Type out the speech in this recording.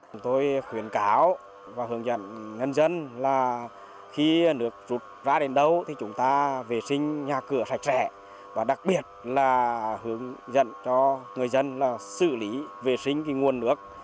chúng tôi khuyến cáo và hướng dẫn nhân dân là khi nước rút ra đến đâu thì chúng ta vệ sinh nhà cửa sạch sẽ và đặc biệt là hướng dẫn cho người dân là xử lý vệ sinh nguồn nước